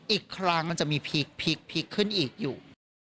อีกครั้งมันจะมีพลิกขึ้นอีกอยู่